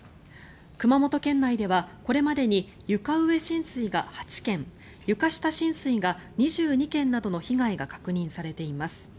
熊本県内ではこれまでに床上浸水が８件床下浸水が２２件などの被害が確認されています。